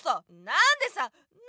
なんでさ！